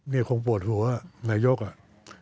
นี่คงปวดหัวนายกอ่ะ